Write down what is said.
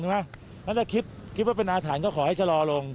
อันนั้นแต่คิดว่าเป็นอาฐานที่ก็ขอให้ชะลอลง